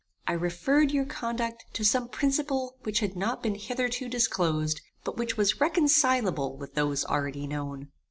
I referred your conduct to some principle which had not been hitherto disclosed, but which was reconcileable with those already known.